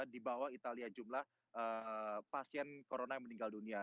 di bawah italia jumlah pasien corona yang meninggal dunia